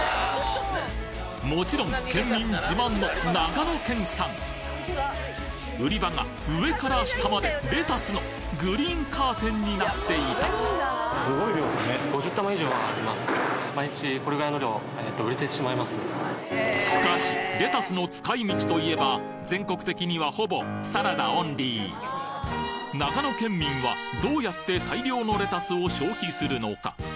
もちろん県民自慢の長野県産売り場が上から下までレタスのグリーンカーテンになっていたしかしレタスの使い道といえば全国的にはほぼサラダオンリー長野県民はどうやって大量のレタスを消費するのか？